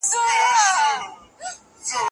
نه بچي مو خریدار لري په ښار کي